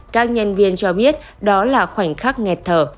các nhân viên cho biết đó là khoảnh khắc nghẹt thở